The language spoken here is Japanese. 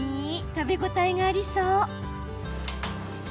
食べ応えがありそう。